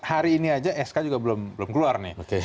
hari ini aja sk juga belum keluar nih